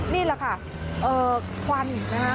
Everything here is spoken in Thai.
นี่แหละค่ะควัน